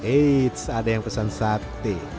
eits ada yang pesan sate